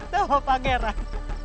tahu pak gerak